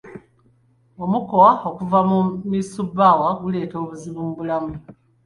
Omukka okuva mu misubbaawa guleeta obuzibu ku bulamu.